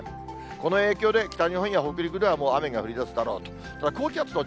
この影響で北日本や北陸では、もう雨が降りだすだろうと。